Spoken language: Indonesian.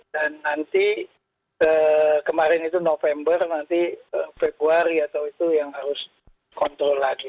dan nanti kemarin itu november nanti februari atau itu yang harus kontrol lagi